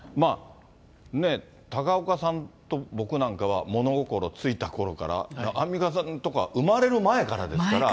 高岡さんと僕なんかは、物心ついたころから、アンミカさんとかは生まれる前からですから。